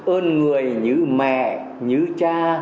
ơn người như mẹ như cha